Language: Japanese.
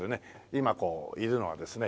今いるのはですね